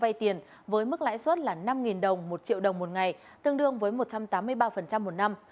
vay tiền với mức lãi suất là năm đồng một triệu đồng một ngày tương đương với một trăm tám mươi ba một năm